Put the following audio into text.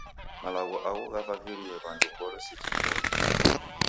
Malagho agho ghavavivirie w'andu ngolo seji ghiendie.